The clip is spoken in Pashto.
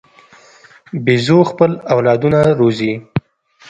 بیزو خپل اولادونه روزي.